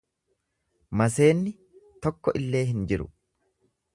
Maseenni tokko illee hin jiru.